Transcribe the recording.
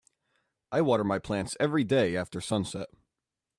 I water my plants everyday after sunset.